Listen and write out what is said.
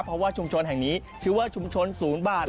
เพราะว่าชุมชนแห่งนี้ชื่อว่าชุมชน๐บาท